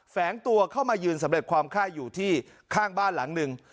แฝงตัวเข้ามายืนสำเร็จความไข้อยู่ที่ข้างบ้านหลังหนึ่ง